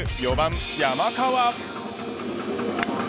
４番、山川。